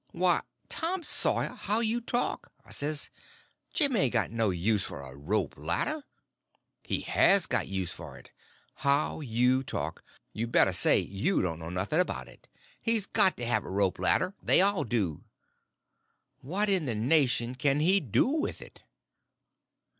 "Why, Tom Sawyer, how you talk," I says; "Jim ain't got no use for a rope ladder." "He has got use for it. How you talk, you better say; you don't know nothing about it. He's got to have a rope ladder; they all do." "What in the nation can he do with it?"